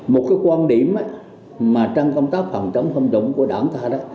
một quan điểm mà trang công tác phòng chống tham nhũng của đảng ta